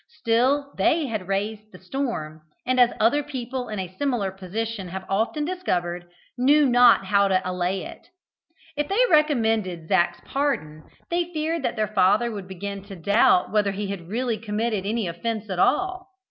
Still, they had raised the storm, and, as other people in a similar position have often discovered, knew not how to allay it. If they recommended Zac's pardon, they feared that their father would begin to doubt whether he had really committed any offence at all.